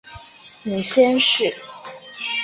母宣氏。